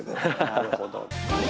なるほど。